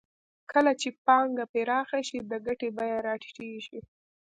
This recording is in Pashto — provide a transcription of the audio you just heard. کله چې پانګه پراخه شي د ګټې بیه راټیټېږي